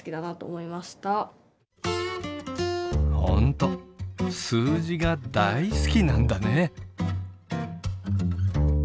本当数字が大好きなんだね。